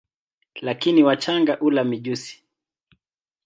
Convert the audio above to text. Lakini wachanga hula mijusi.